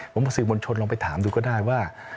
ผมสื่อมวลชนลองไปถามดูก็ได้ว่า